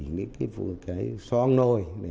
những cái xoong nồi